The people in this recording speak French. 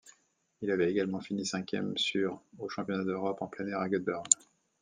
Il avait également fini cinquième sur aux Championnats d'Europe en plein air à Göteborg.